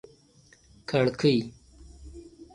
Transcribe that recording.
کړکۍ